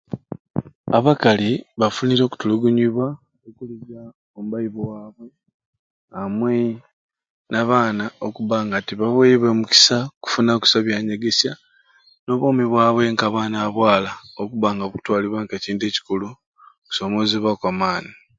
Abakali bafunire okutulugunyibwa omu baibuwamwei amwei nabaana okubanga tibaweweibwe mukisa kufuna kusai ebyanyegesya nobwoomi bwabwe nkabaana ba bwala okubba nga bukutwalibwa nkekintu ekikulu kusomozebwa kwamaani.